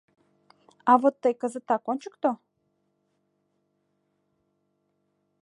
— А вот тый кызытак ончыкто.